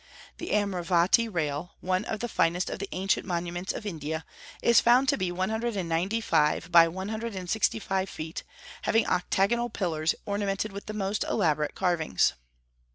The Amravati rail, one of the finest of the ancient monuments of India, is found to be one hundred and ninety five by one hundred and sixty five feet, having octagonal pillars ornamented with the most elaborate carvings.